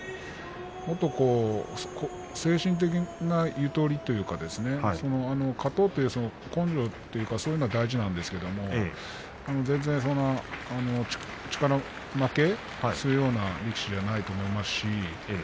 もっと精神的なゆとりというか勝とうという根性というかそういうのは大事なんですけど全然、力負けするような力士じゃないと思いますし。